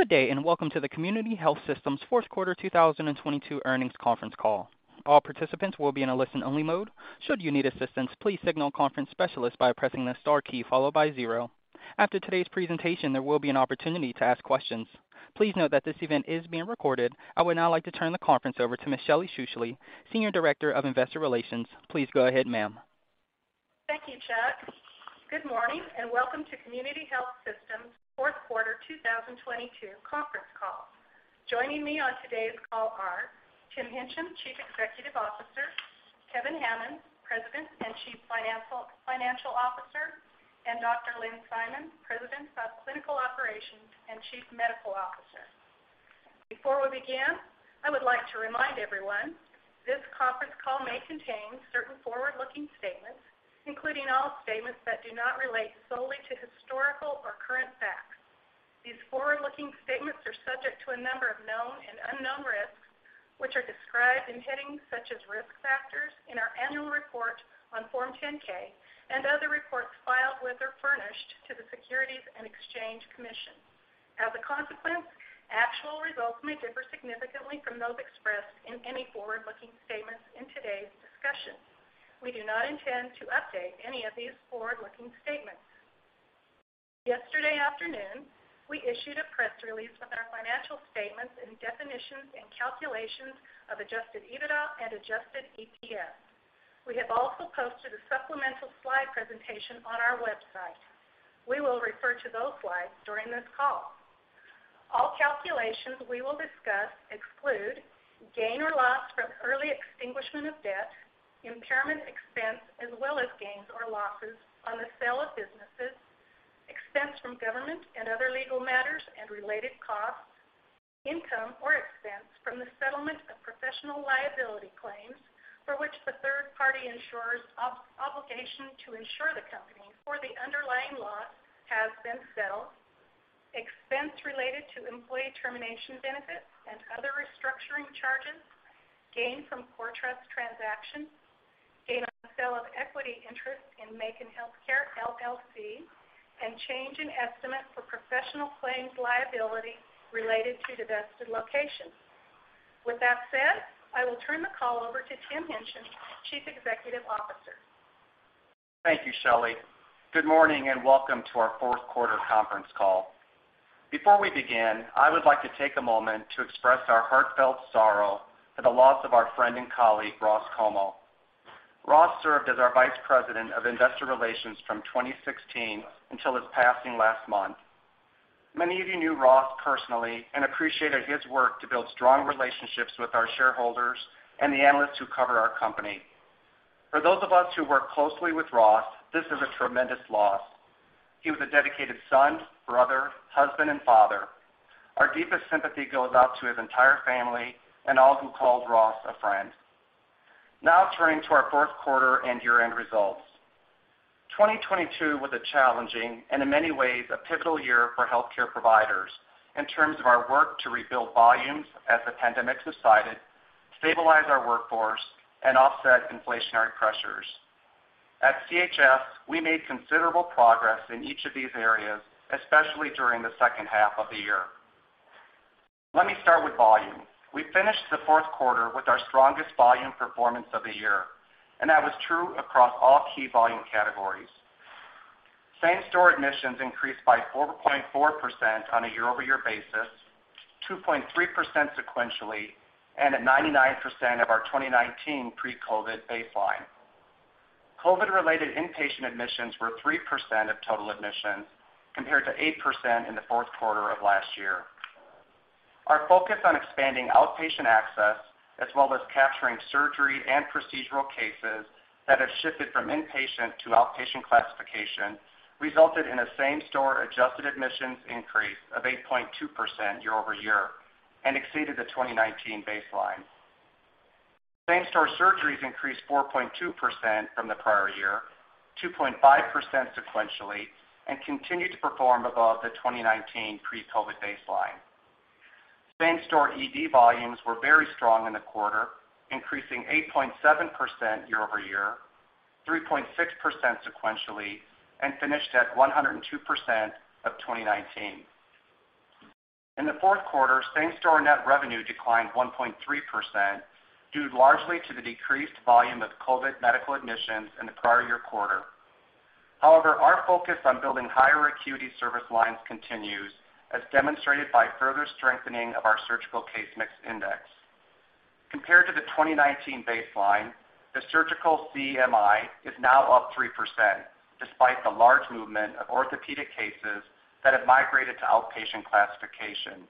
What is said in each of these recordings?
Good day, and welcome to the Community Health Systems Fourth Quarter 2022 Earnings Conference Call. All participants will be in a listen-only mode. Should you need assistance, please signal a conference specialist by pressing the star key followed by zero. After today's presentation, there will be an opportunity to ask questions. Please note that this event is being recorded. I would now like to turn the conference over to Ms. Shelly Schussele, Senior Director of Investor Relations. Please go ahead, ma'am. Thank you, Chad. Good morning, and welcome to Community Health Systems Fourth Quarter 2022 Conference Call. Joining me on today's call are Tim Hingtgen, Chief Executive Officer; Kevin Hammons, President and Chief Financial Officer; and Dr. Lynn Simon, President of Clinical Operations and Chief Medical Officer. Before we begin, I would like to remind everyone this conference call may contain certain forward-looking statements, including all statements that do not relate solely to historical or current facts. These forward-looking statements are subject to a number of known and unknown risks, which are described in headings such as Risk Factors in our annual report on Form 10-K and other reports filed with or furnished to the Securities and Exchange Commission. As a consequence, actual results may differ significantly from those expressed in any forward-looking statements in today's discussion. We do not intend to update any of these forward-looking statements. Yesterday afternoon, we issued a press release with our financial statements and definitions and calculations of Adjusted EBITDA and Adjusted EPS. We have also posted a supplemental slide presentation on our website. We will refer to those slides during this call. All calculations we will discuss exclude gain or loss from early extinguishment of debt, impairment expense, as well as gains or losses on the sale of businesses, expense from government and other legal matters and related costs, income or expense from the settlement of professional liability claims for which the third party insurer's obligation to insure the company for the underlying loss has been settled, expense related to employee termination benefits and other restructuring charges, gain from CoreTrust transactions, gain on sale of equity interest in Macon Healthcare LLC, and change in estimate for professional claims liability related to divested locations. With that said, I will turn the call over to Tim Hingtgen, Chief Executive Officer. Thank you, Shelly. Good morning, and welcome to our fourth quarter conference call. Before we begin, I would like to take a moment to express our heartfelt sorrow for the loss of our friend and colleague, Ross Comeaux. Ross served as our Vice President of Investor Relations from 2016 until his passing last month. Many of you knew Ross personally and appreciated his work to build strong relationships with our shareholders and the analysts who cover our company. For those of us who worked closely with Ross, this is a tremendous loss. He was a dedicated son, brother, husband, and father. Our deepest sympathy goes out to his entire family and all who called Ross a friend. Now turning to our fourth quarter and year-end results. 2022 was a challenging and in many ways a pivotal year for healthcare providers in terms of our work to rebuild volumes as the pandemic subsided, stabilize our workforce, and offset inflationary pressures. At CHS, we made considerable progress in each of these areas, especially during the second half of the year. Let me start with volume. We finished the fourth quarter with our strongest volume performance of the year. That was true across all key volume categories. Same-store admissions increased by 4.4% on a year-over-year basis, 2.3% sequentially, and at 99% of our 2019 pre-COVID baseline. COVID-related inpatient admissions were 3% of total admissions, compared to 8% in the fourth quarter of last year. Our focus on expanding outpatient access, as well as capturing surgery and procedural cases that have shifted from inpatient to outpatient classification, resulted in a same-store adjusted admissions increase of 8.2% year-over-year and exceeded the 2019 baseline. Same-store surgeries increased 4.2% from the prior year, 2.5% sequentially, and continued to perform above the 2019 pre-COVID baseline. Same-store ED volumes were very strong in the quarter, increasing 8.7% year-over-year, 3.6% sequentially, and finished at 102% of 2019. In the fourth quarter, same-store net revenue declined 1.3% due largely to the decreased volume of COVID medical admissions in the prior year quarter. Our focus on building higher acuity service lines continues, as demonstrated by further strengthening of our surgical Case Mix Index. Compared to the 2019 baseline, the surgical CMI is now up 3%, despite the large movement of orthopedic cases that have migrated to outpatient classification.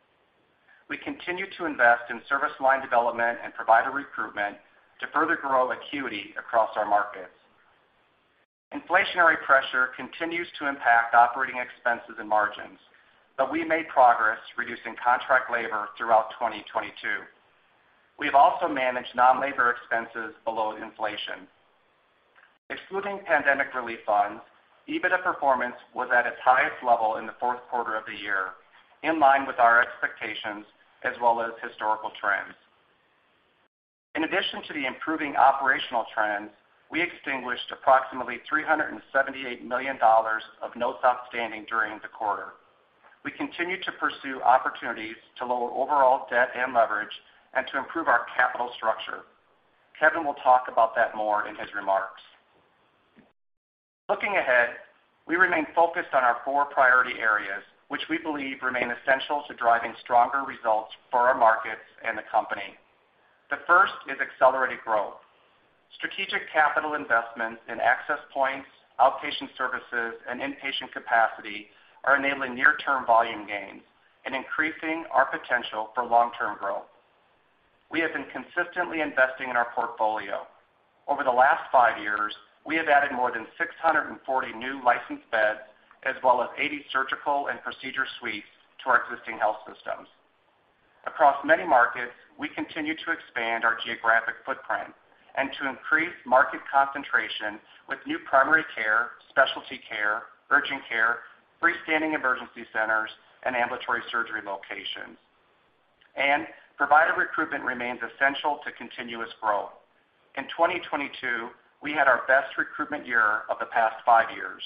We continue to invest in service line development and provider recruitment to further grow acuity across our markets. Inflationary pressure continues to impact operating expenses and margins. We made progress reducing contract labor throughout 2022. We have also managed non-labor expenses below inflation. Excluding pandemic relief funds, EBITDA performance was at its highest level in the fourth quarter of the year, in line with our expectations as well as historical trends. In addition to the improving operational trends, we extinguished approximately $378 million of notes outstanding during the quarter. We continue to pursue opportunities to lower overall debt and leverage and to improve our capital structure. Kevin will talk about that more in his remarks. Looking ahead, we remain focused on our four priority areas, which we believe remain essential to driving stronger results for our markets and the company. The first is accelerated growth. Strategic capital investments in access points, outpatient services, and inpatient capacity are enabling near-term volume gains and increasing our potential for long-term growth. We have been consistently investing in our portfolio. Over the last five years, we have added more than 640 new licensed beds as well as 80 surgical and procedure suites to our existing health systems. Across many markets, we continue to expand our geographic footprint and to increase market concentration with new primary care, specialty care, urgent care, freestanding emergency centers, and ambulatory surgery locations. Provider recruitment remains essential to continuous growth. In 2022, we had our best recruitment year of the past five years.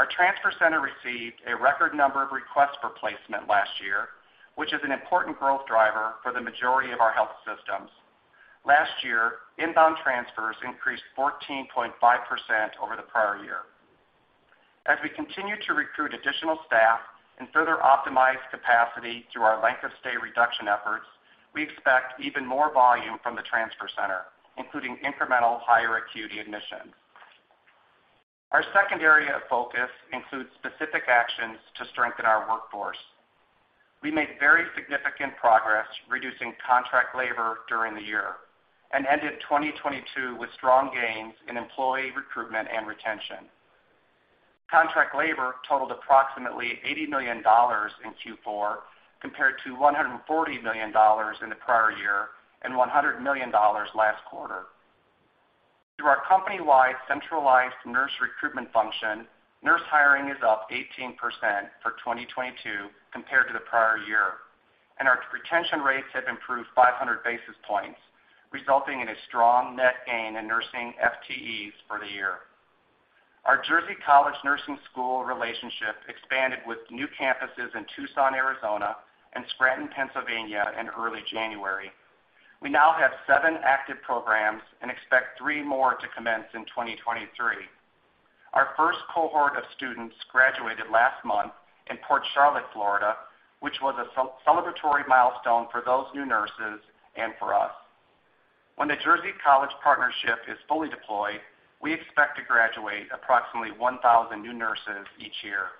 Our transfer center received a record number of requests for placement last year, which is an important growth driver for the majority of our health systems. Last year, inbound transfers increased 14.5% over the prior year. As we continue to recruit additional staff and further optimize capacity through our length of stay reduction efforts, we expect even more volume from the transfer center, including incremental higher acuity admissions. Our second area of focus includes specific actions to strengthen our workforce. We made very significant progress reducing contract labor during the year and ended 2022 with strong gains in employee recruitment and retention. Contract labor totaled approximately $80 million in Q4, compared to $140 million in the prior year and $100 million last quarter. Through our company-wide centralized nurse recruitment function, nurse hiring is up 18% for 2022 compared to the prior year, and our retention rates have improved 500 basis points, resulting in a strong net gain in nursing FTEs for the year. Our Jersey College Nursing School relationship expanded with new campuses in Tucson, Arizona, and Scranton, Pennsylvania in early January. We now have seven active programs and expect three more to commence in 2023. Our first cohort of students graduated last month in Port Charlotte, Florida, which was a celebratory milestone for those new nurses and for us. When the Jersey College partnership is fully deployed, we expect to graduate approximately 1,000 new nurses each year.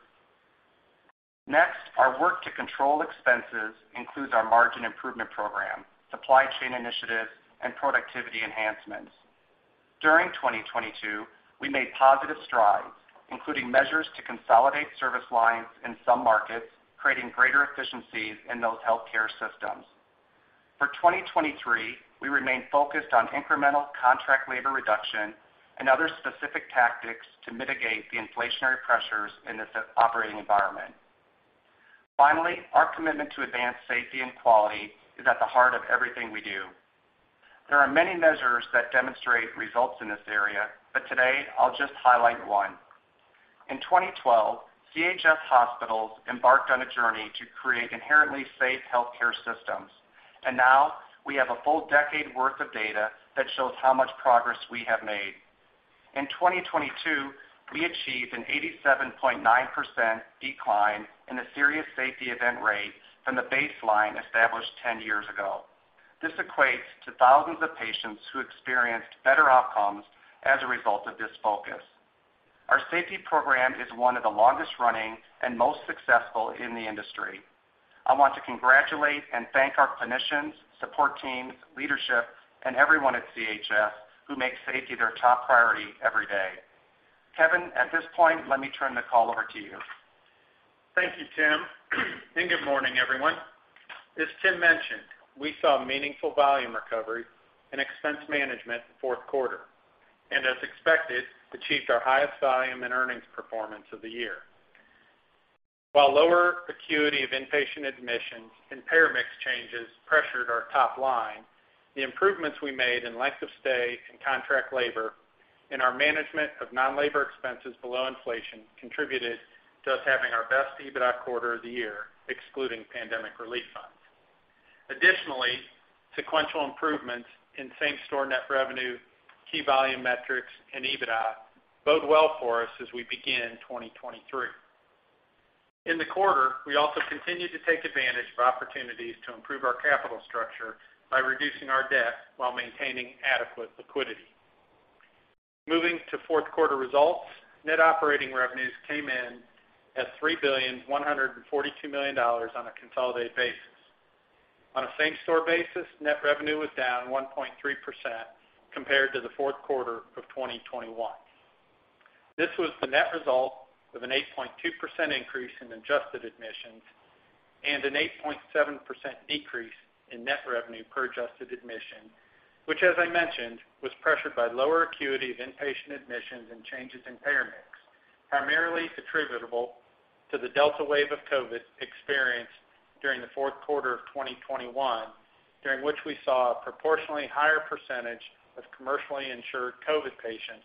Next, our work to control expenses includes our margin improvement program, supply chain initiatives, and productivity enhancements. During 2022, we made positive strides, including measures to consolidate service lines in some markets, creating greater efficiencies in those healthcare systems. For 2023, we remain focused on incremental contract labor reduction and other specific tactics to mitigate the inflationary pressures in this operating environment. Finally, our commitment to advance safety and quality is at the heart of everything we do. There are many measures that demonstrate results in this area, but today I'll just highlight one. In 2012, CHS Hospitals embarked on a journey to create inherently safe healthcare systems, and now we have a full decade worth of data that shows how much progress we have made. In 2022, we achieved an 87.9% decline in the Serious Safety Event rate from the baseline established 10 years ago. This equates to thousands of patients who experienced better outcomes as a result of this focus. Our safety program is one of the longest running and most successful in the industry. I want to congratulate and thank our clinicians, support teams, leadership, and everyone at CHS who make safety their top priority every day. Kevin, at this point, let me turn the call over to you. Thank you, Tim. Good morning, everyone. As Tim mentioned, we saw meaningful volume recovery and expense management fourth quarter. As expected, achieved our highest volume and earnings performance of the year. While lower acuity of inpatient admissions and payer mix changes pressured our top line, the improvements we made in length of stay and contract labor and our management of non-labor expenses below inflation contributed to us having our best EBITDA quarter of the year, excluding pandemic relief funds. Additionally, sequential improvements in same-store net revenue, key volume metrics, and EBITDA bode well for us as we begin 2023. In the quarter, we also continued to take advantage of opportunities to improve our capital structure by reducing our debt while maintaining adequate liquidity. Moving to fourth quarter results, net operating revenues came in at $3,142 million on a consolidated basis. On a same-store basis, net revenue was down 1.3% compared to the fourth quarter of 2021. This was the net result of an 8.2% increase in adjusted admissions and an 8.7% decrease in net revenue per adjusted admission, which as I mentioned, was pressured by lower acuity of inpatient admissions and changes in payer mix. Primarily attributable to the Delta wave of COVID experienced during the fourth quarter of 2021, during which we saw a proportionally higher percentage of commercially insured COVID patients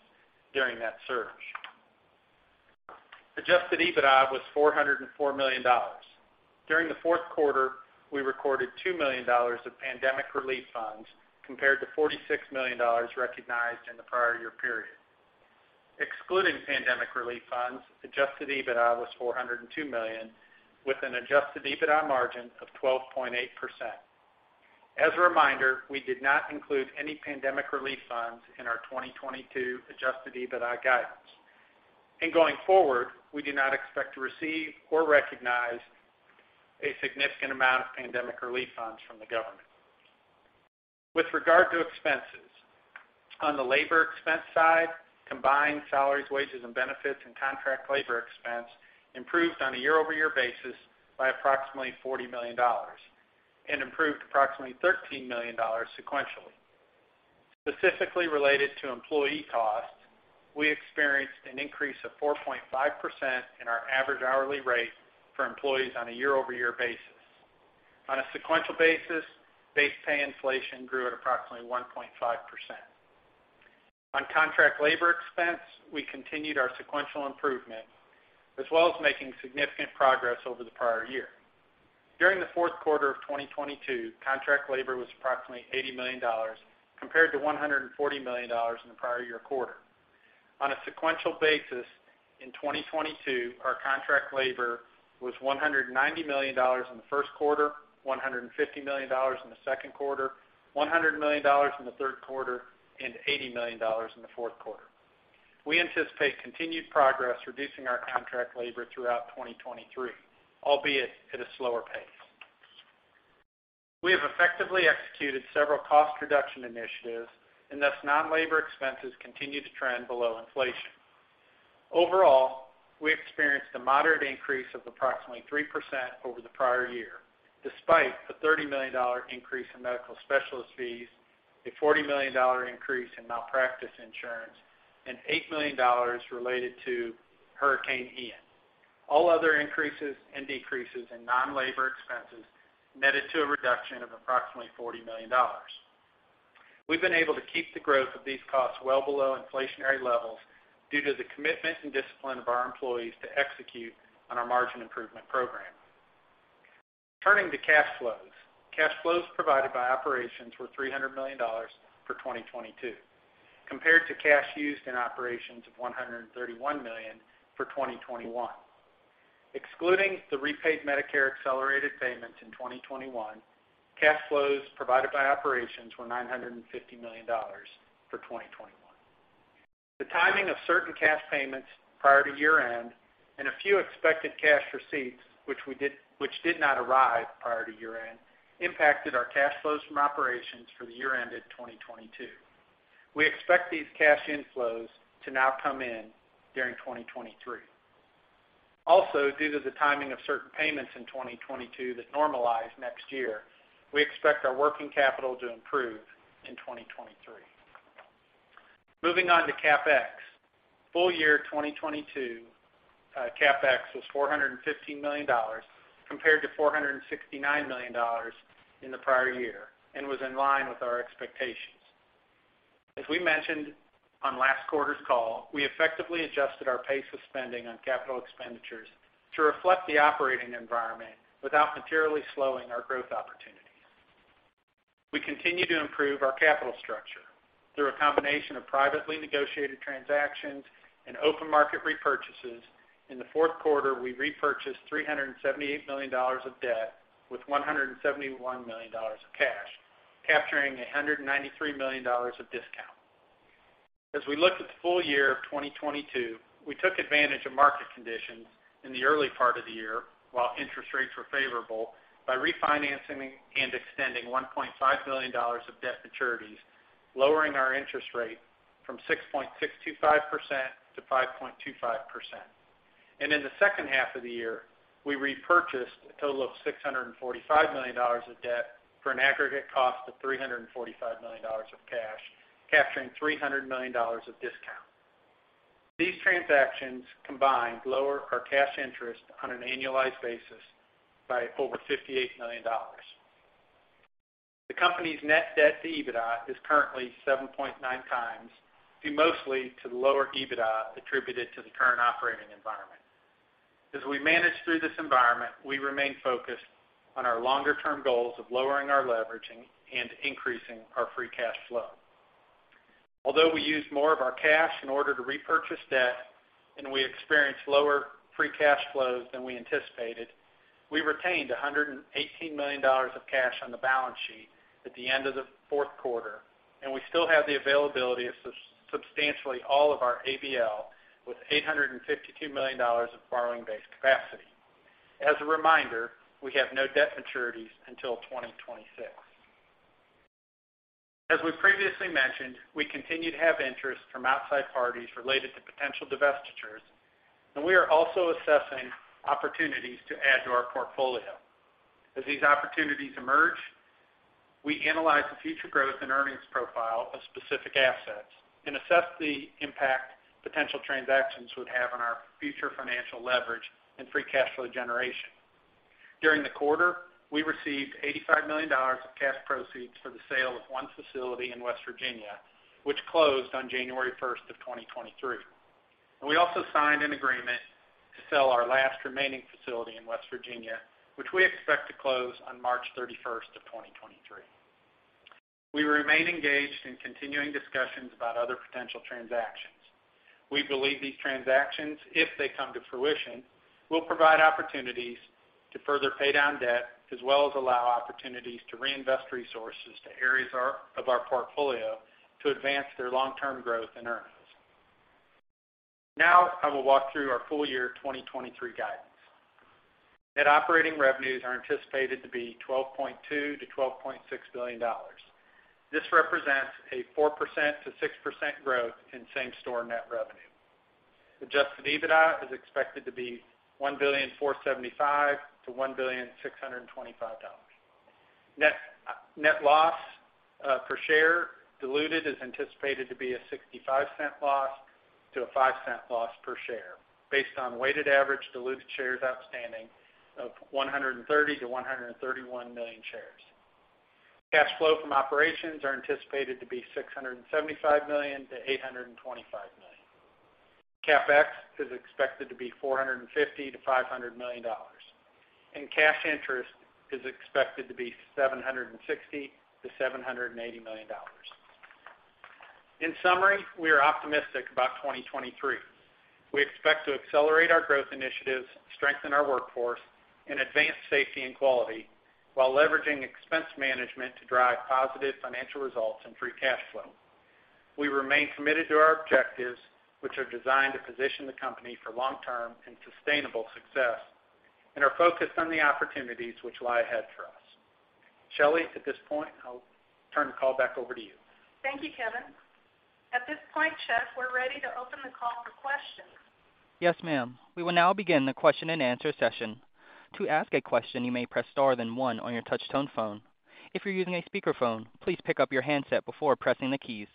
during that surge. Adjusted EBITDA was $404 million. During the fourth quarter, we recorded $2 million of pandemic relief funds, compared to $46 million recognized in the prior year period. Excluding pandemic relief funds, Adjusted EBITDA was $402 million, with an Adjusted EBITDA margin of 12.8%. As a reminder, we did not include any pandemic relief funds in our 2022 Adjusted EBITDA guidance. Going forward, we do not expect to receive or recognize a significant amount of pandemic relief funds from the government. With regard to expenses, on the labor expense side, combined salaries, wages, and benefits and contract labor expense improved on a year-over-year basis by approximately $40 million and improved approximately $13 million sequentially. Specifically related to employee costs, we experienced an increase of 4.5% in our average hourly rate for employees on a year-over-year basis. On a sequential basis, base pay inflation grew at approximately 1.5%. On contract labor expense, we continued our sequential improvement, as well as making significant progress over the prior year. During the fourth quarter of 2022, contract labor was approximately $80 million compared to $140 million in the prior year quarter. On a sequential basis in 2022, our contract labor was $190 million in the first quarter, $150 million in the second quarter, $100 million in the third quarter, and $80 million in the fourth quarter. We anticipate continued progress reducing our contract labor throughout 2023, albeit at a slower pace. We have effectively executed several cost reduction initiatives, thus non-labor expenses continue to trend below inflation. Overall, we experienced a moderate increase of approximately 3% over the prior year, despite a $30 million increase in medical specialist fees, a $40 million increase in malpractice insurance, and $8 million related to Hurricane Ian. All other increases and decreases in non-labor expenses netted to a reduction of approximately $40 million. We've been able to keep the growth of these costs well below inflationary levels due to the commitment and discipline of our employees to execute on our margin improvement program. Turning to cash flows. Cash flows provided by operations were $300 million for 2022 compared to cash used in operations of $131 million for 2021. Excluding the repaid Medicare accelerated payments in 2021, cash flows provided by operations were $950 million for 2021. The timing of certain cash payments prior to year-end and a few expected cash receipts, which did not arrive prior to year-end, impacted our cash flows from operations for the year ended 2022. We expect these cash inflows to now come in during 2023. Also, due to the timing of certain payments in 2022 that normalize next year, we expect our working capital to improve in 2023. Moving on to CapEx. Full year 2022 CapEx was $415 million compared to $469 million in the prior year and was in line with our expectations. As we mentioned on last quarter's call, we effectively adjusted our pace of spending on capital expenditures to reflect the operating environment without materially slowing our growth opportunities. We continue to improve our capital structure through a combination of privately negotiated transactions and open market repurchases. In the fourth quarter, we repurchased $378 million of debt with $171 million of cash, capturing $193 million of discount. As we look at the full year of 2022, we took advantage of market conditions in the early part of the year, while interest rates were favorable, by refinancing and extending $1.5 billion of debt maturities, lowering our interest rate from 6.625% to 5.25%. In the second half of the year, we repurchased a total of $645 million of debt for an aggregate cost of $345 million of cash, capturing $300 million of discount. These transactions combined lower our cash interest on an annualized basis by over $58 million. The company's net debt to EBITDA is currently 7.9 times, due mostly to lower EBITDA attributed to the current operating environment. As we manage through this environment, we remain focused on our longer-term goals of lowering our leveraging and increasing our free cash flow. Although we used more of our cash in order to repurchase debt and we experienced lower free cash flows than we anticipated, we retained $118 million of cash on the balance sheet at the end of the fourth quarter, and we still have the availability of substantially all of our ABL with $852 million of borrowing-based capacity. As a reminder, we have no debt maturities until 2026. As we previously mentioned, we continue to have interest from outside parties related to potential divestitures, and we are also assessing opportunities to add to our portfolio. As these opportunities emerge. We analyze the future growth and earnings profile of specific assets and assess the impact potential transactions would have on our future financial leverage and free cash flow generation. During the quarter, we received $85 million of cash proceeds for the sale of one facility in West Virginia, which closed on January 1st of 2023. We also signed an agreement to sell our last remaining facility in West Virginia, which we expect to close on March 31st of 2023. We remain engaged in continuing discussions about other potential transactions. We believe these transactions, if they come to fruition, will provide opportunities to further pay down debt as well as allow opportunities to reinvest resources to areas of our portfolio to advance their long-term growth and earnings. I will walk through our full year 2023 guidance. Net operating revenues are anticipated to be $12.2 billion-$12.6 billion. This represents a 4%-6% growth in same-store net revenue. Adjusted EBITDA is expected to be $1.475 billion-$1.625 billion. Net loss per share diluted is anticipated to be a $0.65 loss to a $0.05 loss per share based on weighted average diluted shares outstanding of 130 million-131 million shares. Cash flow from operations are anticipated to be $675 million-$825 million. CapEx is expected to be $450 million-$500 million, and cash interest is expected to be $760 million-$780 million. In summary, we are optimistic about 2023. We expect to accelerate our growth initiatives, strengthen our workforce, and advance safety and quality while leveraging expense management to drive positive financial results and free cash flow. We remain committed to our objectives, which are designed to position the company for long-term and sustainable success and are focused on the opportunities which lie ahead for us. Shelly, at this point, I'll turn the call back over to you. Thank you, Kevin. At this point, Jeff, we're ready to open the call for questions. Yes, ma'am. We will now begin the question-and-answer session. To ask a question, you may press star then one on your touch-tone phone. If you're using a speakerphone, please pick up your handset before pressing the keys.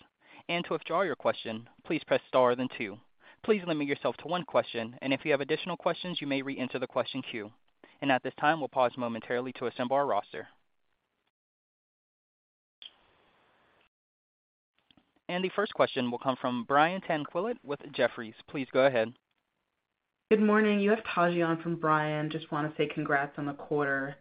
To withdraw your question, please press star then two. Please limit yourself to one question, and if you have additional questions, you may reenter the question queue. At this time, we'll pause momentarily to assemble our roster. The first question will come from Brian Tanquilut with Jefferies. Please go ahead. Good morning. You have Tajian from Brian. Just wanna say congrats on the quarter.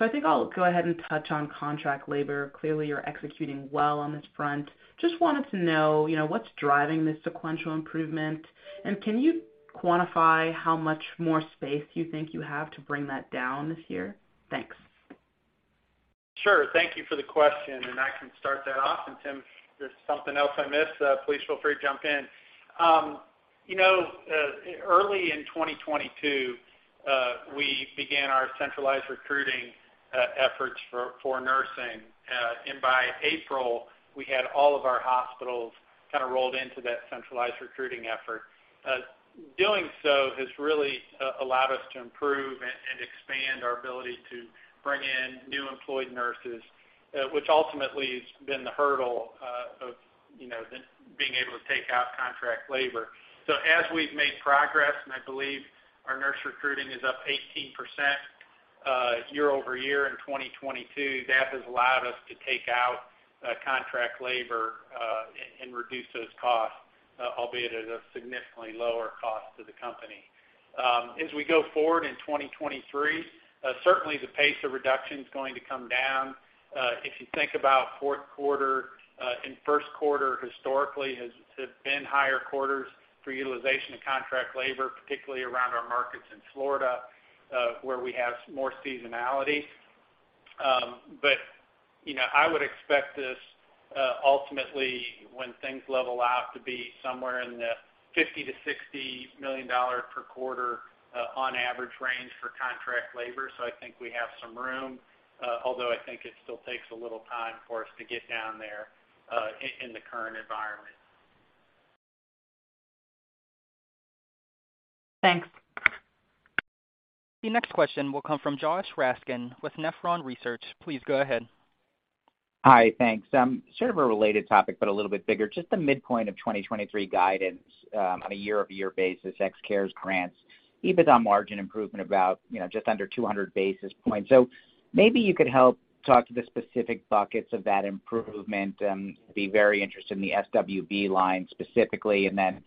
I think I'll go ahead and touch on contract labor. Clearly, you're executing well on this front. Just wanted to know, you know, what's driving this sequential improvement, and can you quantify how much more space you think you have to bring that down this year? Thanks. Sure. Thank you for the question, and I can start that off. Tim, if there's something else I missed, please feel free to jump in. you know, early in 2022, we began our centralized recruiting, efforts for nursing. By April, we had all of our hospitals kinda rolled into that centralized recruiting effort. doing so has really, allowed us to improve and expand our ability to bring in new employed nurses, which ultimately has been the hurdle, of, you know, the being able to take out contract labor. As we've made progress, and I believe our nurse recruiting is up 18% year-over-year in 2022, that has allowed us to take out contract labor and reduce those costs, albeit at a significantly lower cost to the company. As we go forward in 2023, certainly the pace of reduction's going to come down. If you think about fourth quarter and first quarter historically has been higher quarters for utilization of contract labor, particularly around our markets in Florida, where we have more seasonality. You know, I would expect this ultimately, when things level out to be somewhere in the $50 million-$60 million per quarter on average range for contract labor. I think we have some room, although I think it still takes a little time for us to get down there, in the current environment. Thanks. The next question will come from Josh Raskin with Nephron Research. Please go ahead. Hi. Thanks. Sort of a related topic, but a little bit bigger. Just the midpoint of 2023 guidance on a year-over-year basis, ex cares grants, EBITDA margin improvement about, you know, just under 200 basis points. Maybe you could help talk to the specific buckets of that improvement. Be very interested in the SWB line specifically. Then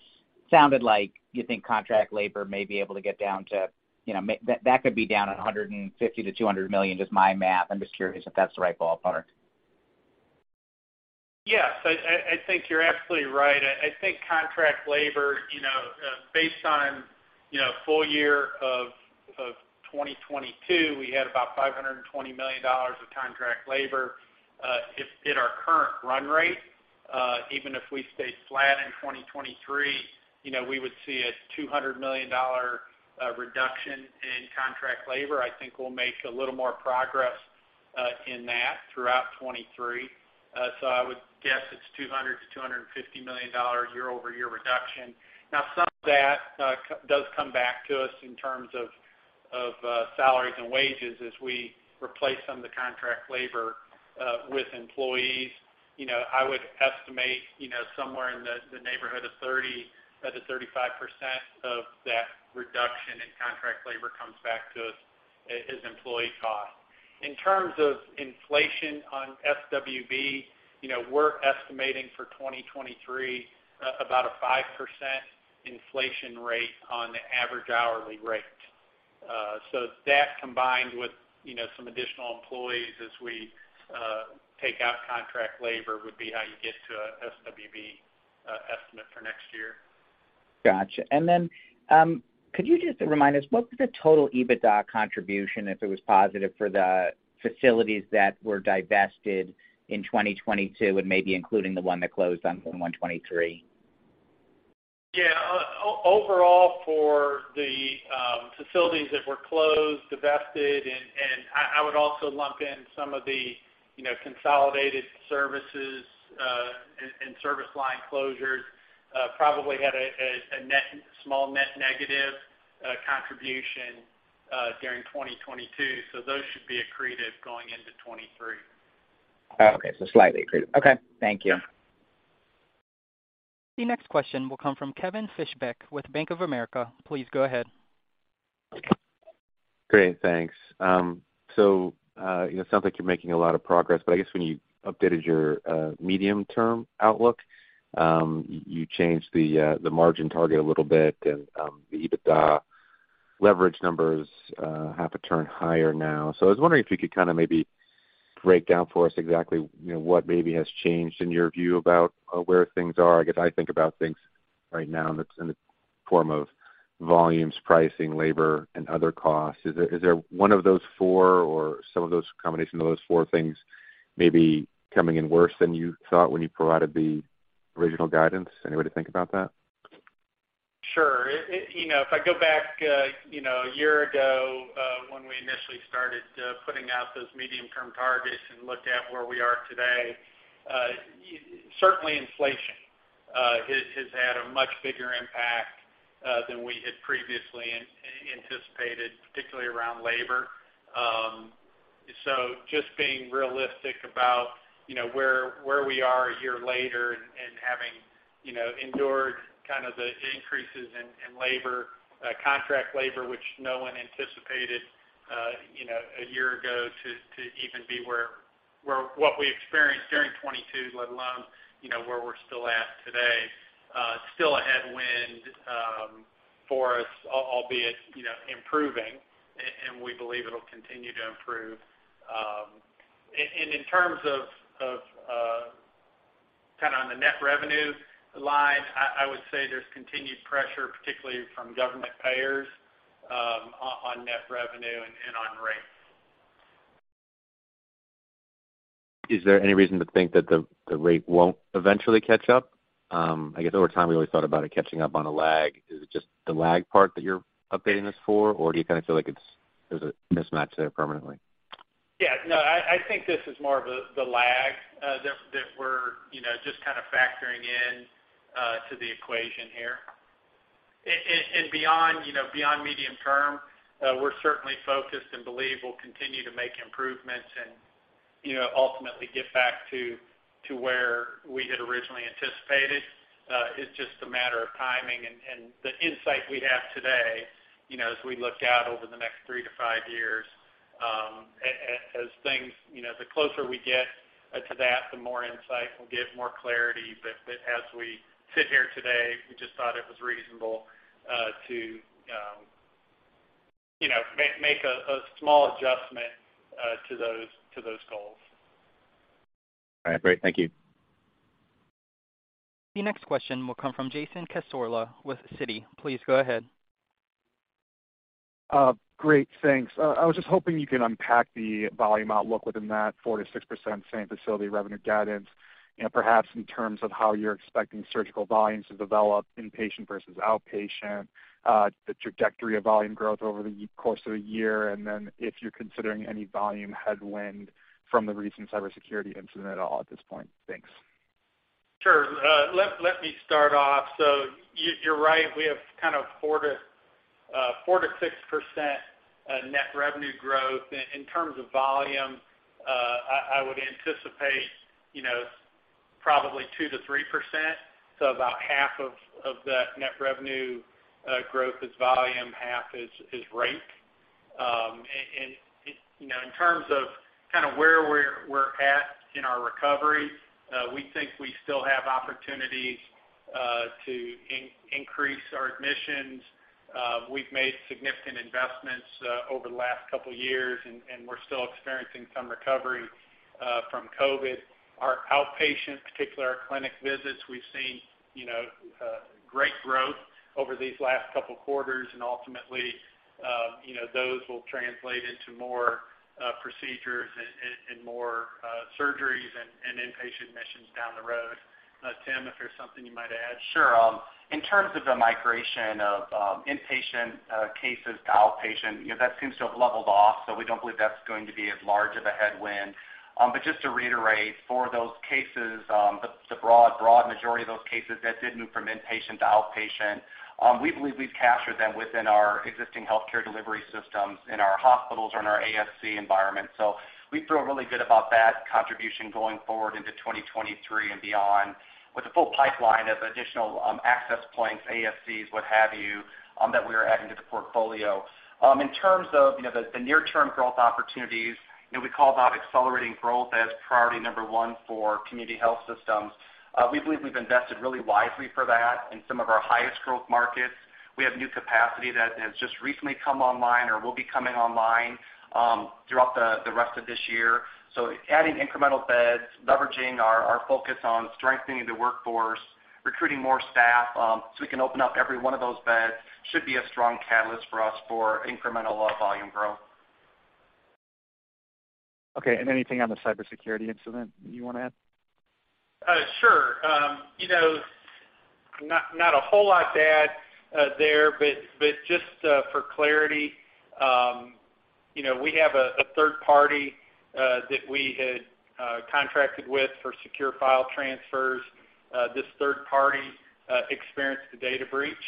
sounded like you think contract labor may be able to get down to, you know, that could be down at $150 million-$200 million, just my math. I'm just curious if that's the right ballpark. Yes. I think you're absolutely right. I think contract labor, you know, based on, you know, full year of 2022, we had about $520 million of contract labor. If at our current run rate, even if we stay flat in 2023, you know, we would see a $200 million reduction in contract labor. I think we'll make a little more progress in that throughout 2023. I would guess it's $200 million-$250 million year-over-year reduction. Now, some of that does come back to us in terms of salaries and wages as we replace some of the contract labor with employees. You know, I would estimate, you know, somewhere in the neighborhood of 30%-35% of that reduction in contract labor comes back to us as employee costs. In terms of inflation on SWB, you know, we're estimating for 2023, about a 5% inflation rate on the average hourly rate. That combined with, you know, some additional employees as we take out contract labor would be how you get to a SWB estimate for next year. Gotcha. Could you just remind us what was the total EBITDA contribution, if it was positive, for the facilities that were divested in 2022 and maybe including the one that closed on Form 123? Yeah. Overall for the facilities that were closed, divested, and I would also lump in some of the, you know, consolidated services, and service line closures, probably had a small net negative contribution during 2022. Those should be accretive going into 2023. Okay. slightly accretive. Okay, thank you. The next question will come from Kevin Fischbeck with Bank of America. Please go ahead. Great. Thanks. It sounds like you're making a lot of progress, but I guess when you updated your medium-term outlook, you changed the margin target a little bit, and the EBITDA leverage numbers have to turn higher now. I was wondering if you could kind of maybe break down for us exactly, you know, what maybe has changed in your view about where things are. I guess I think about things right now in the, in the form of volumes, pricing, labor, and other costs. Is there one of those four or some of those combination of those four things maybe coming in worse than you thought when you provided the original guidance? Any way to think about that? Sure. you know, if I go back, you know, a year ago, when we initially started, putting out those medium-term targets and looked at where we are today, certainly inflation has had a much bigger impact than we had previously anticipated, particularly around labor. Just being realistic about, you know, where we are a year later and having, you know, endured kind of the increases in labor, contract labor, which no one anticipated, you know, a year ago to even be where what we experienced during 2022, let alone, you know, where we're still at today, still a headwind for us, albeit, you know, improving. We believe it'll continue to improve. In terms of kind of on the net revenue line, I would say there's continued pressure, particularly from government payers, on net revenue and on rates. Is there any reason to think that the rate won't eventually catch up? I guess over time we always thought about it catching up on a lag. Is it just the lag part that you're updating this for, or do you kinda feel like there's a mismatch there permanently? Yeah, no, I think this is more of the lag that we're, you know, just kind of factoring in to the equation here. Beyond, you know, beyond medium term, we're certainly focused and believe we'll continue to make improvements and, you know, ultimately get back to where we had originally anticipated. It's just a matter of timing and the insight we have today, you know, as we look out over the next three to five years, as things, you know, the closer we get to that, the more insight we'll get, more clarity. As we sit here today, we just thought it was reasonable to, you know, make a small adjustment to those goals. All right, great. Thank you. The next question will come from Jason Cassorla with Citi. Please go ahead. Great. Thanks. I was just hoping you could unpack the volume outlook within that 4%-6% same facility revenue guidance, and perhaps in terms of how you're expecting surgical volumes to develop inpatient versus outpatient, the trajectory of volume growth over the course of the year, and then if you're considering any volume headwind from the recent cybersecurity incident at all at this point. Thanks. Sure. Let me start off. You're right, we have kind of 4% to 6% net revenue growth. In terms of volume, I would anticipate, you know, probably 2% to 3%. About half of that net revenue growth is volume, half is rate. You know, in terms of kinda where we're at in our recovery, we think we still have opportunities to increase our admissions. We've made significant investments over the last couple years, and we're still experiencing some recovery from COVID. Our outpatient, particularly our clinic visits, we've seen, you know, great growth over these last couple quarters. Ultimately, you know, those will translate into more procedures and more surgeries. Inpatient missions down the road. Tim, if there's something you might add. Sure. In terms of the migration of inpatient cases to outpatient, you know, that seems to have leveled off, so we don't believe that's going to be as large of a headwind. Just to reiterate, for those cases, the broad majority of those cases that did move from inpatient to outpatient, we believe we've captured them within our existing healthcare delivery systems in our hospitals or in our ASC environment. We feel really good about that contribution going forward into 2023 and beyond. With the full pipeline of additional access points, ASCs, what have you, that we are adding to the portfolio. In terms of, you know, the near-term growth opportunities, you know, we call about accelerating growth as priority number one for Community Health Systems. We believe we've invested really wisely for that in some of our highest growth markets. We have new capacity that has just recently come online or will be coming online throughout the rest of this year. Adding incremental beds, leveraging our focus on strengthening the workforce, recruiting more staff, so we can open up every one of those beds should be a strong catalyst for us for incremental volume growth. Okay, anything on the cybersecurity incident you wanna add? Sure. you know, not a whole lot to add there, but just for clarity, you know, we have a third party that we had contracted with for secure file transfers. This third party experienced a data breach.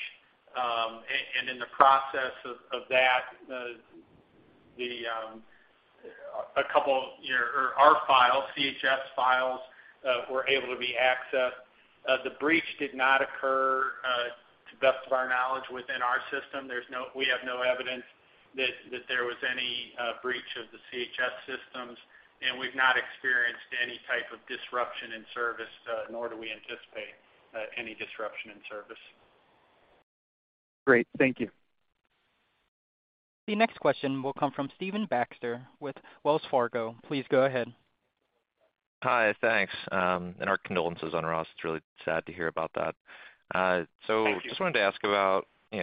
And in the process of that, the a couple or our files, CHS files, were able to be accessed. The breach did not occur, to best of our knowledge within our system. We have no evidence that there was any breach of the CHS systems, and we've not experienced any type of disruption in service, nor do we anticipate any disruption in service. Great. Thank you. The next question will come from Stephen Baxter with Wells Fargo. Please go ahead. Hi. Thanks. Our condolences on Ross. It's really sad to hear about that. Thank you. Yeah, of course. Wanted to ask about, you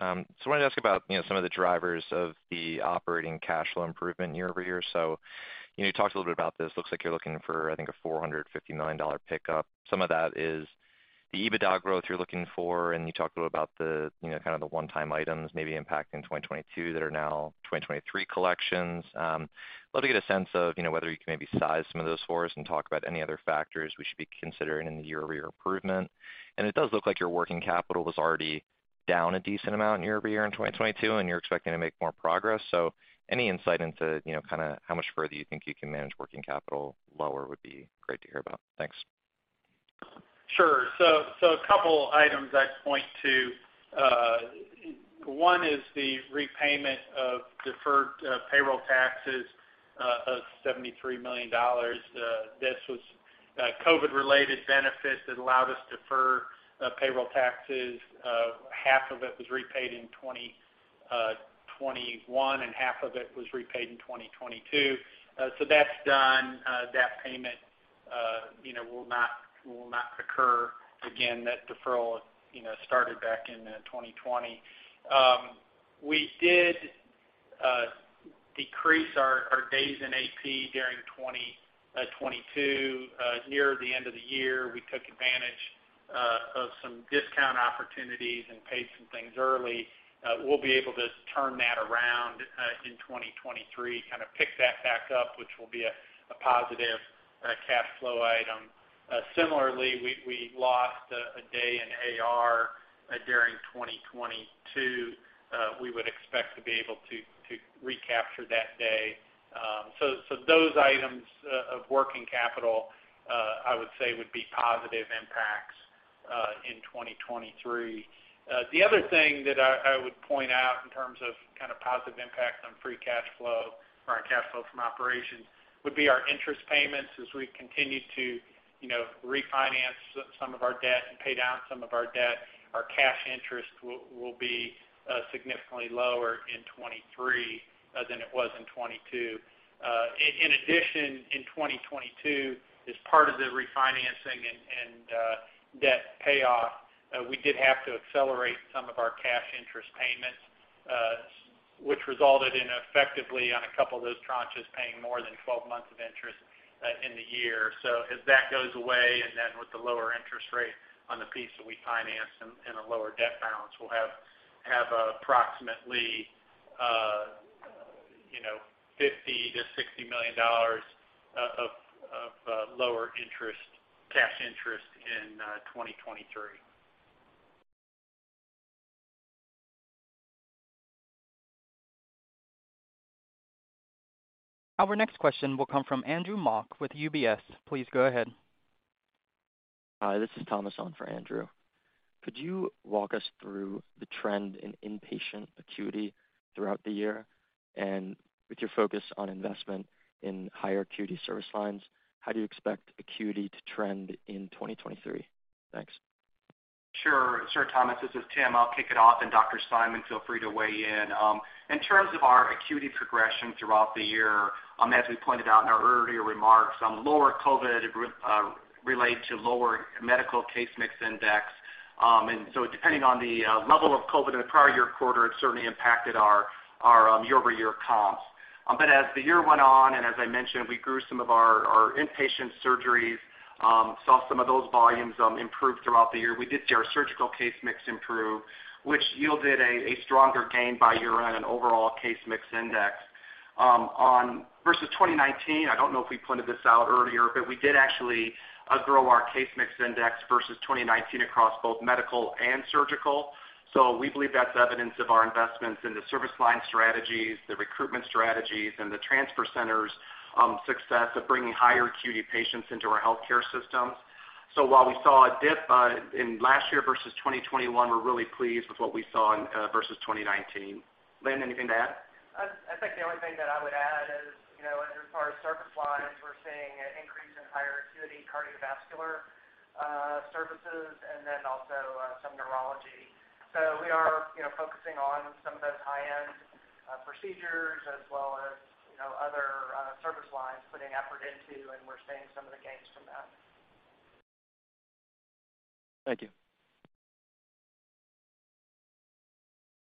know, some of the drivers of the operating cash flow improvement year-over-year. You know, you talked a little bit about this. Looks like you're looking for, I think, a $450 million pickup. Some of that is the EBITDA growth you're looking for, and you talked a little about the, you know, kind of the one-time items maybe impacting 2022 that are now 2023 collections. Love to get a sense of, you know, whether you can maybe size some of those for us and talk about any other factors we should be considering in the year-over-year improvement. It does look like your working capital was already down a decent amount year-over-year in 2022, and you're expecting to make more progress. Any insight into, you know, kinda how much further you think you can manage working capital lower would be great to hear about. Thanks. Sure. A couple items I'd point to. One is the repayment of deferred payroll taxes of $73 million. This was a COVID-related benefit that allowed us to defer payroll taxes. Half of it was repaid in 2021, and half of it was repaid in 2022. That's done. That payment, you know, will not occur again. That deferral, you know, started back in 2020. We did decrease our days in AP during 2022. Near the end of the year, we took advantage of some discount opportunities and paid some things early. We'll be able to turn that around in 2023, kinda pick that back up, which will be a positive cash flow item. Similarly, we lost a day in AR during 2022. We would expect to be able to recapture that day. Those items of working capital, I would say would be positive impacts in 2023. The other thing that I would point out in terms of kind of positive impacts on free cash flow or our cash flow from operations would be our interest payments as we continue to, you know, refinance some of our debt and pay down some of our debt. Our cash interest will be significantly lower in 2023 than it was in 2022. In addition, in 2022, as part of the refinancing and debt payoff, we did have to accelerate some of our cash interest payments, which resulted in effectively on a couple of those tranches paying more than 12 months of interest in the year. As that goes away, and then with the lower interest rate on the piece that we financed and a lower debt balance, we'll have approximately, you know, $50 million-$60 million of lower interest, cash interest in 2023. Our next question will come from Andrew Mark with UBS. Please go ahead. Hi, this is Thomas on for Andrew. Could you walk us through the trend in inpatient acuity throughout the year? With your focus on investment in higher acuity service lines, how do you expect acuity to trend in 2023? Thanks. Sure. Sure, Thomas. This is Tim. I'll kick it off, and Dr. Simon, feel free to weigh in. In terms of our acuity progression throughout the year, as we pointed out in our earlier remarks on lower COVID, Relate to lower medical Case Mix Index. Depending on the level of COVID in the prior year quarter, it certainly impacted our year-over-year comps. As the year went on, and as I mentioned, we grew some of our inpatient surgeries, saw some of those volumes improve throughout the year. We did see our surgical case mix improve, which yielded a stronger gain by year-end in overall Case Mix Index. On versus 2019, I don't know if we pointed this out earlier, but we did actually outgrow our Case Mix Index versus 2019 across both medical and surgical. We believe that's evidence of our investments in the service line strategies, the recruitment strategies, and the transfer centers, success of bringing higher acuity patients into our healthcare systems. While we saw a dip in last year versus 2021, we're really pleased with what we saw in versus 2019. Lynn, anything to add? I think the only thing that I would add is, you know, as far as service lines, we're seeing an increase in higher acuity cardiovascular services and then also some neurology. We are, you know, focusing on some of those high-end procedures as well as, you know, other service lines, putting effort into, and we're seeing some of the gains from that. Thank you.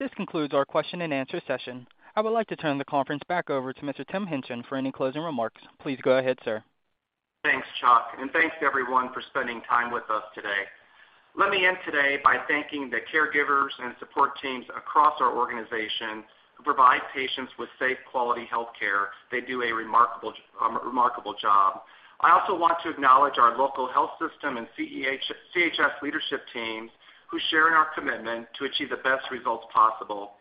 This concludes our question and answer session. I would like to turn the conference back over to Mr. Tim Hingtgen for any closing remarks. Please go ahead, sir. Thanks, Chuck. Thanks everyone for spending time with us today. Let me end today by thanking the caregivers and support teams across our organization who provide patients with safe, quality health care. They do a remarkable job. I also want to acknowledge our local health system and CHS leadership teams who share in our commitment to achieve the best results possible.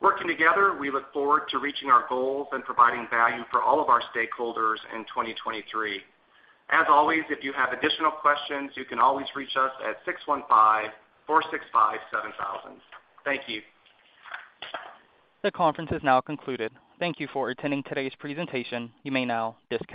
Working together, we look forward to reaching our goals and providing value for all of our stakeholders in 2023. As always, if you have additional questions, you can always reach us at 615-465-7000. Thank you. The conference is now concluded. Thank you for attending today's presentation. You may now disconnect.